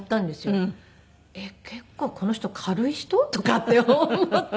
結構この人軽い人？とかって思って。